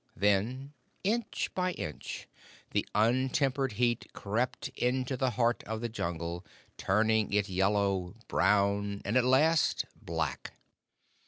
Then, inch by inch, the untempered heat crept into the heart of the Jungle, turning it yellow, brown, and at last black.